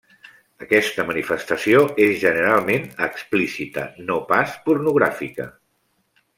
Aquesta manifestació és generalment explícita, no pas pornogràfica.